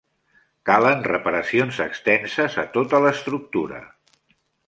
Calen reparacions extenses a tota l'estructura.